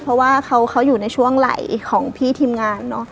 เพราะว่าเขาอยู่ในช่วงไหลของพี่ทีมงานเนอะ